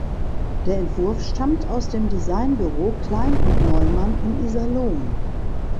Der Entwurf stammt aus dem Designbüro Klein und Neumann in Iserlohn.